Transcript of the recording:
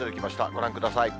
ご覧ください。